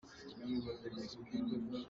Mirang cu an rang i Tuluk cu an ngo.